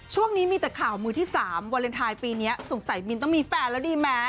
ช่วงนี้มีแต่ข่าวมือที่๓วาเลนไทยปีนี้สงสัยมินต้องมีแฟนแล้วดีไหม